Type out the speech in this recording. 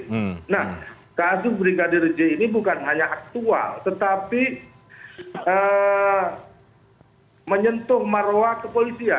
nah kasus brigadir j ini bukan hanya aktual tetapi menyentuh maruah kepolisian